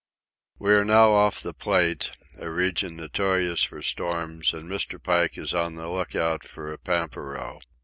We are now off the Plate, a region notorious for storms, and Mr. Pike is on the lookout for a pampero.